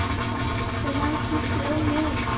তোমার কি কেউ নেই?